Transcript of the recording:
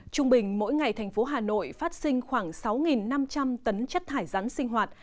trung bình mỗi ngày thành phố hà nội phát sinh khoảng sáu năm trăm linh tấn chất thải rắn sinh hoạt